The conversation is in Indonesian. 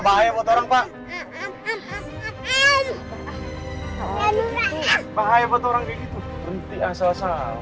bahaya buat orang ini tuh berhenti asal asal